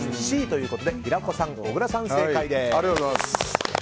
Ｃということで平子さん、小倉さん正解です。